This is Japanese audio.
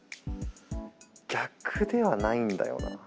逆ではないんだよな。